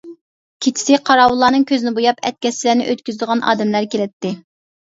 كېچىسى قاراۋۇللارنىڭ كۆزىنى بوياپ ئەتكەسچىلەرنى ئۆتكۈزىدىغان ئادەملەر كېلەتتى.